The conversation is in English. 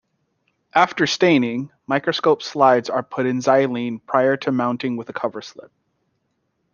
After staining, microscope slides are put in xylene prior to mounting with a coverslip.